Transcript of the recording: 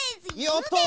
やった。